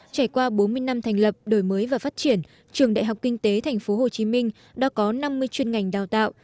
trải qua bốn mươi năm thành lập đổi mới và phát triển trường đại học kinh tế tp hcm đã có năm mươi chuyên ngành đào tạo